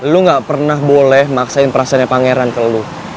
lo gak pernah boleh maksain perasaannya pangeran ke lo